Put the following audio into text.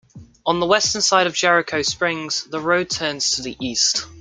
On the western side of Jerico Springs, the road turns to the east.